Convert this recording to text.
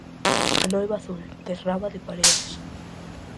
A "Noiva azul" de Rábade Paredes.